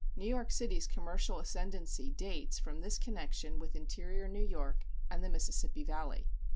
New York City's commercial ascendancy dates from this connection with interior New York and the Mississippi Valley.